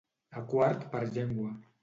A quart per llengua.